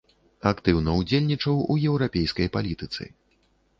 Актыўна ўдзельнічаў у еўрапейскай палітыцы.